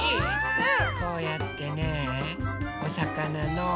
うん？